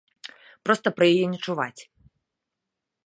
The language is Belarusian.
Проста пра яе не чуваць.